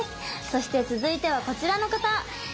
そして続いてはこちらの方！